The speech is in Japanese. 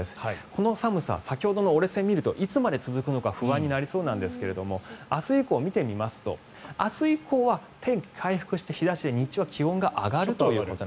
この寒さ先ほどの折れ線を見るといつまで続くのか不安になりそうですが明日以降、見てみますと明日以降は天気が回復して日差しで日中は気温が上がると。